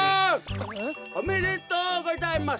おめでとうございます！